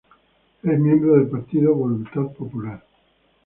Es miembro del partido Voluntad Popular.